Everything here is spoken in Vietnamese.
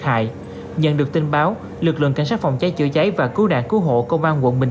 hại nhận được tin báo lực lượng cảnh sát phòng cháy chữa cháy và cứu nạn cứu hộ công an quận bình